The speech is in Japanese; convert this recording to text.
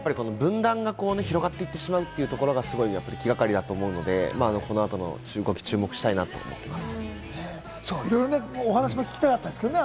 分断が広がっていってしまうというのが気がかりだと思うので、この後を注目していきたいと思います。